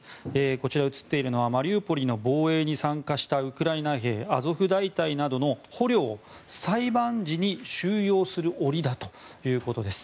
こちら写っているのはマリウポリの防衛に参加したウクライナ兵アゾフ大隊などの捕虜を裁判時に収容する檻だということです。